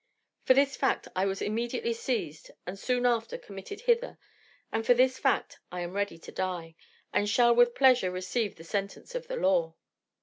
For this fact I was immediately seized and soon after committed hither; and for this fact I am ready to die, and shall with pleasure receive the sentence of the law.